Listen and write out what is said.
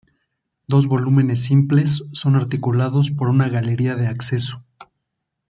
Dos volúmenes simples son articulados por una galería de acceso.